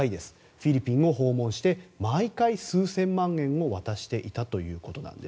フィリピンを訪問して毎回、数千万円を渡していたということなんです。